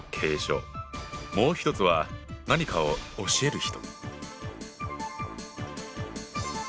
もう１つは「何かを教える人」。